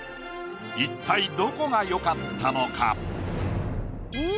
一体どこがよかったのか？